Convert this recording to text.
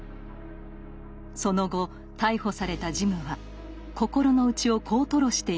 その後逮捕されたジムは心の内をこう吐露しています。